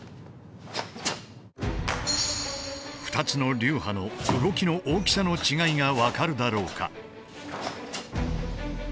２つの流派の動きの大きさの違いが分かるだろうか？